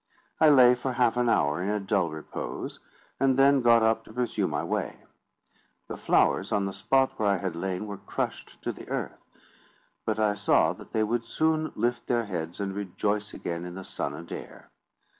I lay for half an hour in a dull repose, and then got up to pursue my way. The flowers on the spot where I had lain were crushed to the earth: but I saw that they would soon lift their heads and rejoice again in the sun and air.